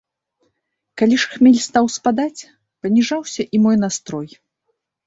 Калі ж хмель стаў спадаць, паніжаўся і мой настрой.